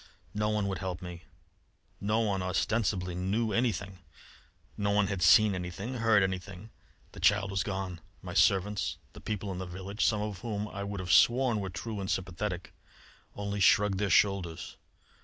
No one would help me. No one ostensibly knew anything; no one had seen anything, heard anything. The child was gone! My servants, the people in the village some of whom I could have sworn were true and sympathetic only shrugged their shoulders.